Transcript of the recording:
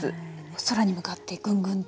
空に向かってぐんぐんと。